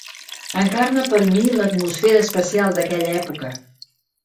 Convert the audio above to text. Encarna per a mi l'atmosfera especial d'aquella època.